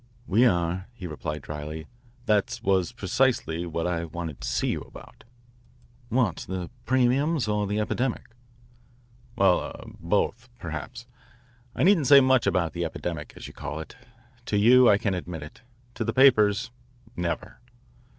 "We are," he replied drily. "That was precisely what I wanted to see you about." "What? The premiums or the epidemic?" "Well er both, perhaps. I needn't say much about the epidemic, as you call it. To you I can admit it; to the newspapers, never.